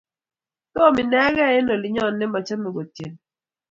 tom inekei eng olinyoo nemachamei kotyenii